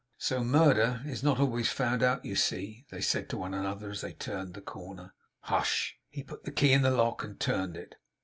'So murder is not always found out, you see,' they said to one another as they turned the corner. Hush! He put the key into the lock, and turned it.